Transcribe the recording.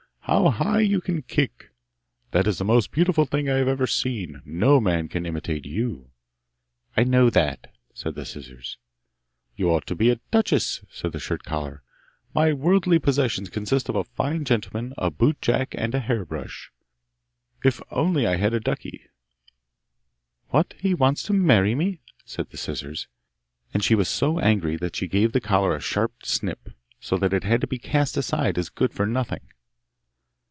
How high you can kick! That is the most beautiful thing I have ever seen! No man can imitate you!' 'I know that!' said the scissors. 'You ought to be a duchess!' said the shirt collar. 'My worldly possessions consist of a fine gentleman, a boot jack, and a hair brush. If only I had a duchy!' 'What! He wants to marry me?' said the scissors, and she was so angry that she gave the collar a sharp snip, so that it had to be cast aside as good for nothing.